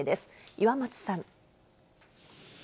岩松さん。